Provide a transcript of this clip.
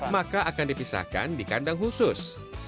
maka akan dipisahkan di kandang khusus